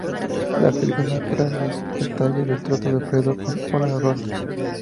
La película no aclara los detalles del trato de Fredo con Ola y Roth.